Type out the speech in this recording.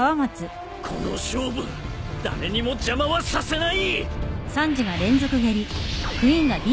この勝負誰にも邪魔はさせない！